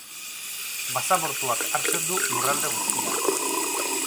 Basamortuak hartzen du lurralde guztia.